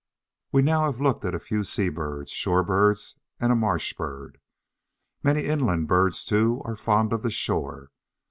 We have now looked at a few sea birds, shore birds, and a marsh bird. Many inland birds, too, are fond of the shore.